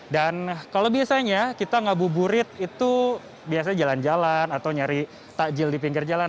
dan kalau biasanya kita ngabuburit itu biasanya jalan jalan atau nyari takjil di pinggir jalan